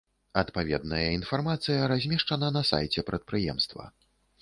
Адпаведная інфармацыя размешчана на сайце прадпрыемства.